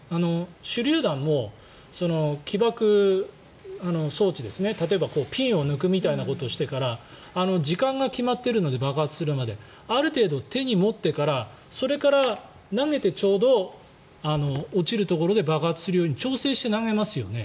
手りゅう弾も起爆装置例えばピンを抜くみたいなことをしてから時間が決まっているので爆発するまである程度手に持ってからそれから投げてちょうど落ちるところで爆発するように調整して投げますよね。